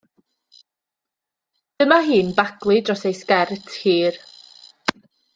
Dyma hi'n baglu dros ei sgert hir.